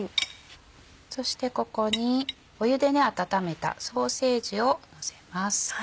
そしてここに湯で温めたソーセージをのせます。